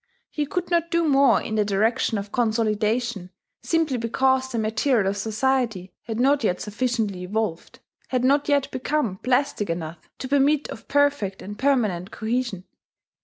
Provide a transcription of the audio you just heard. He could not do more in the direction of consolidation, simply because the material of society had not yet sufficiently evolved, had not yet become plastic enough, to permit of perfect and permanent cohesion.